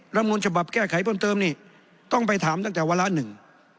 มูลฉบับแก้ไขเพิ่มเติมนี่ต้องไปถามตั้งแต่วาระหนึ่ง